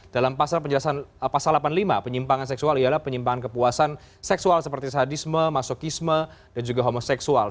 dalam pasal penjelasan pasal delapan puluh lima penyimpangan seksual ialah penyimpangan kepuasan seksual seperti sadisme masokisme dan juga homoseksual